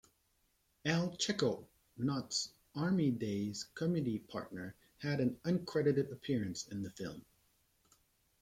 Al Checco, Knotts' Army-days comedy partner, had an uncredited appearance in the film.